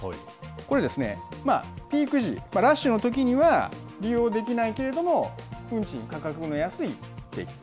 これ、ピーク時、ラッシュのときには利用できないけれども、運賃、価格が安い定期券。